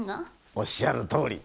おっしゃるとおり。